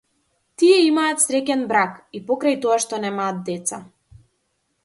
Тие имаат среќен брак, и покрај тоа што немаат деца.